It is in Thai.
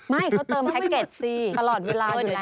ไม่เขาเติมแพ็กเกจสิตลอดเวลาอยู่แล้ว